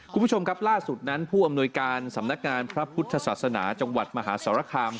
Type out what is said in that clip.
คุณผู้ชมครับล่าสุดนั้นผู้อำนวยการสำนักงานพระพุทธศาสนาจังหวัดมหาสารคาม